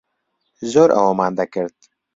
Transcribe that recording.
زۆر ئەوەمان دەکرد.